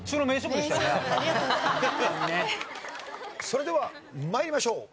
それでは参りましょう。